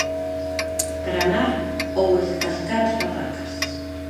Pranar ou escascar as patacas.